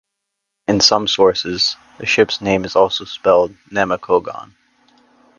In some sources, the ship's name is also spelled Namakogon.